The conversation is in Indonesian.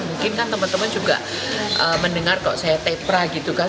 mungkin kan teman teman juga mendengar kok saya tepra gitu kan